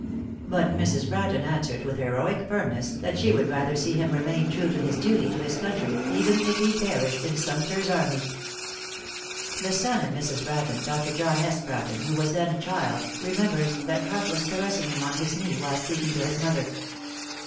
But Mrs. Bratton answered with heroic firmness, that she would rather see him remain true to his duty to his country, even if he perished in Sumter's army. The son of Mrs. Bratton, Dr. John S. Bratton, who was then a child, remembers that Huck was caressing him on his knee while speaking to his mother.